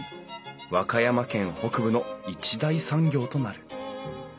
和歌山県北部の一大産業となる。